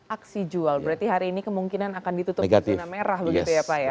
aksi jual berarti hari ini kemungkinan akan ditutup di zona merah begitu ya pak ya